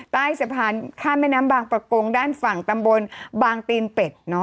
ใต้สะพานข้ามแม่น้ำบางประกงด้านฝั่งตำบลบางตีนเป็ด